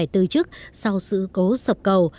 trước sau sự cố sập cầu